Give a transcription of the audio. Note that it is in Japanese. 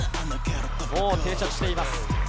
もう定着しています。